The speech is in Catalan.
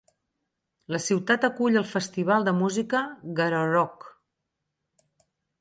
La ciutat acull el festival de música Garorock.